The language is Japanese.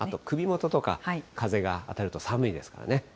首元とか、風が当たると寒いですからね。